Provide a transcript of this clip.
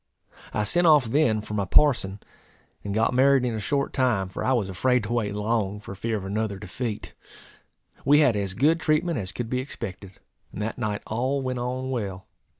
I sent off then for my parson, and got married in a short time; for I was afraid to wait long, for fear of another defeat. We had as good treatment as could be expected; and that night all went on well.